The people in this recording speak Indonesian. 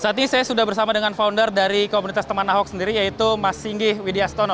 saat ini saya sudah bersama dengan founder dari komunitas teman ahok sendiri yaitu mas singgi widya stono